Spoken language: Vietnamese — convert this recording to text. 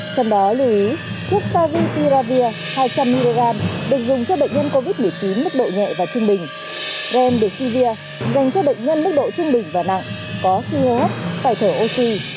trong đó lưu ý thuốc favipiravir hai trăm linh mg được dùng cho bệnh nhân covid một mươi chín mức độ nhẹ và trung bình remdesivir dành cho bệnh nhân mức độ trung bình và nặng có siêu hấp phải thở oxy